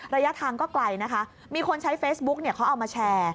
ระยะทางก็ไกลนะคะมีคนใช้เฟซบุ๊กเขาเอามาแชร์